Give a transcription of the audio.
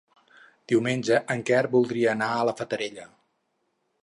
Diumenge en Quer voldria anar a la Fatarella.